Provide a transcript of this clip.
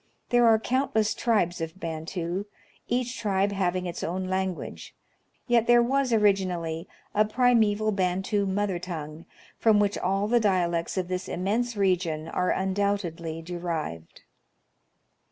There are countless tribes of Bantu, each tribe hav ing its own language, yet there was originally a primeval Bantu mother tongue, from which all the dialects of this immense region 110 National Geographic Magazine. are undoubtedly derived.